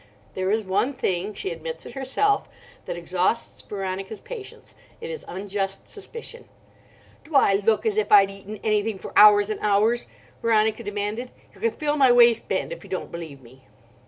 There is one thing—she admits it herself—that exhausts Veronica's patience: it is unjust suspicion. "Do I look as if I'd eaten anything for hours and hours?" Veronica demanded. "You can feel my waistband if you don't believe me."